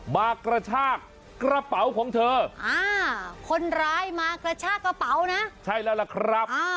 มากระชากกระเป๋าของเธออ่าคนร้ายมากระชากกระเป๋านะใช่แล้วล่ะครับ